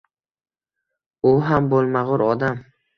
U ham bo`lmag`ur odam